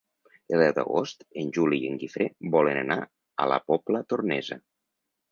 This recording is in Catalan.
El deu d'agost en Juli i en Guifré volen anar a la Pobla Tornesa.